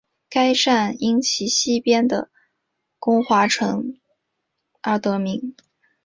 该站因其西边的巩华城而得名。